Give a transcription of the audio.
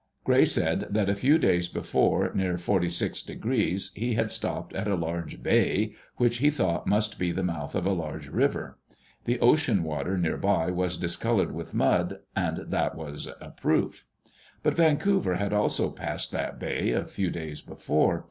Gray said that a few days before, near 46®, he had stopped at a large "bay" which he thought must be the mouth of a large river. The ocean water near by was discolored with mud, and that was a proof. But Vancouver had also passed that "bay" a few days before.